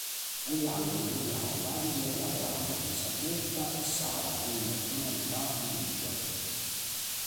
Agli angoli troviamo Davide e Abramo, Elisabetta e Sara in tonalità di grigio.